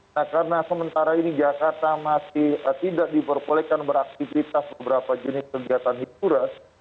nah karena sementara ini jakarta masih tidak diperbolehkan beraktivitas beberapa jenis kegiatan hiburan